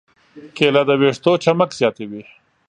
کېله د ویښتو چمک زیاتوي.